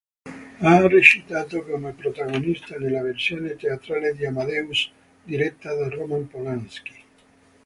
Ha recitato come protagonista nella versione teatrale di "Amadeus", diretta da Roman Polański.